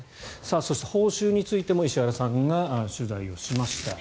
更に、報酬についても石原さんが取材をしました。